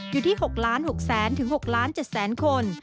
อยู่ที่๖๖๐๐๐๐๐ถึง๖๗๐๐๐๐๐คน